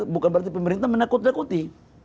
bukan berarti pemerintah menakut nakuti